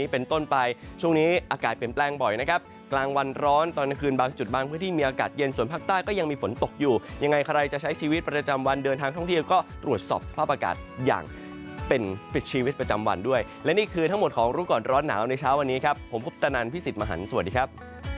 เป็นปิดชีวิตประจำวันด้วยและนี่คือทั้งหมดของรู้ก่อนร้อนหนาวในเช้าวันนี้ครับผมพบตนันพี่สิทธิ์มหันสวัสดีครับ